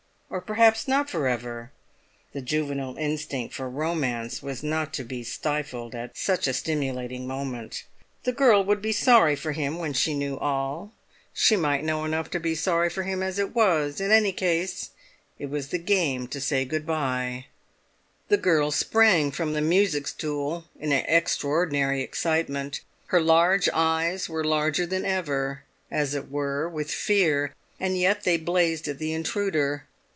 Or perhaps not for ever! The juvenile instinct for romance was not to be stifled at such a stimulating moment. The girl would be sorry for him when she knew all; she might know enough to be sorry for him as it was; in any case it was the game to say goodbye. The girl sprang from the music stool in extraordinary excitement. Her large eyes were larger than ever, as it were with fear, and yet they blazed at the intruder.